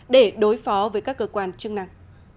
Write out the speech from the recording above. để đối phó với các cơ quan chức năng